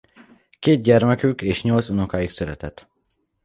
Két gyermekük és nyolc unokájuk született.